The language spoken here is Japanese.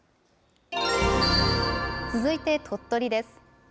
続いて鳥取です。